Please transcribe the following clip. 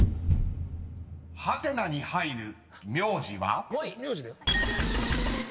［ハテナに入る名字は？］